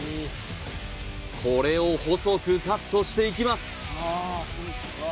これを細くカットしていきます